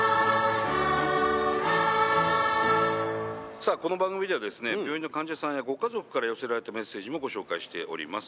さあ、この番組では病院の患者さんやご家族から寄せられたメッセージもご紹介しております。